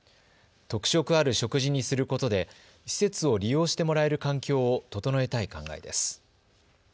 特色ある食事にすることで施設を利用してもらえる環境を整えたい考えです。